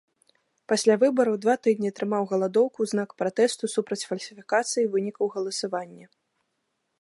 Пасля выбараў два тыдні трымаў галадоўку ў знак пратэсту супраць фальсіфікацыі вынікаў галасавання.